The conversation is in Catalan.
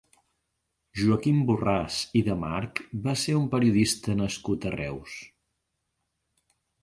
Joaquim Borràs i de March va ser un periodista nascut a Reus.